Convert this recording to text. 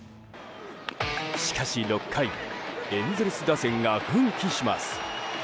しかし６回エンゼルス打線が奮起します。